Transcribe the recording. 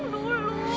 ibu tenang dulu